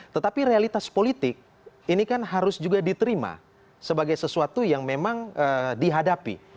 tetapi realitas politik ini kan harus juga diterima sebagai sesuatu yang memang dihadapi